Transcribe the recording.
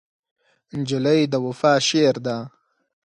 نجلۍ د وفا شعر ده.